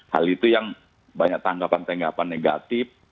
hal itu yang banyak tanggapan tanggapan negatif